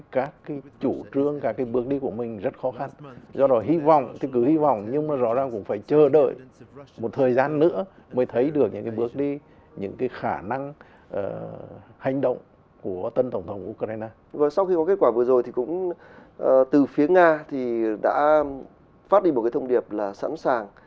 sau khi có kết quả vừa rồi thì cũng từ phía nga thì đã phát đi một cái thông điệp là sẵn sàng